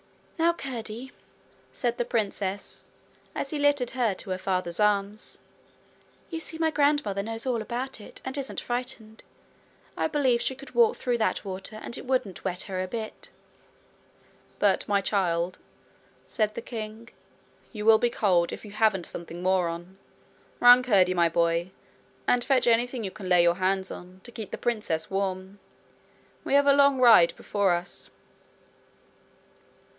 'Now, Curdie!' said the princess, as he lifted her to her father's arms, 'you see my grandmother knows all about it, and isn't frightened. I believe she could walk through that water and it wouldn't wet her a bit.' 'But, my child,' said the king, 'you will be cold if you haven't Something more on. Run, Curdie, my boy, and fetch anything you can lay your hands on, to keep the princess warm. We have a long ride before us.'